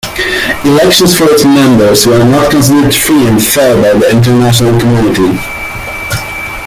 Elections for its members were not considered free and fair by the international community.